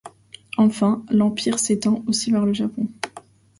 Enfin, l'empire s'étend aussi vers le Japon.